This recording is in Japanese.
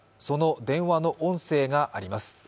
その電話の音声があります。